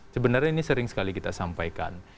sebenarnya ini sering sekali kita sampaikan